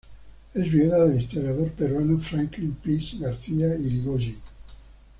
Es viuda del historiador peruano Franklin Pease García Yrigoyen.